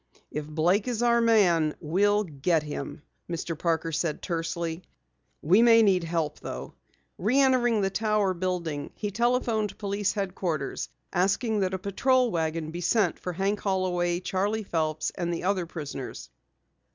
"If Blake is our man, we'll get him!" Mr. Parker said tersely. "We may need help though." Reentering the Tower building, he telephoned police headquarters, asking that a patrol wagon be sent for Hank Holloway, Charley Phelps, and the other prisoners.